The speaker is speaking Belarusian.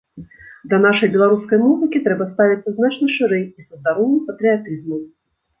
Да нашай беларускай музыкі трэба ставіцца значна шырэй і са здаровым патрыятызмам.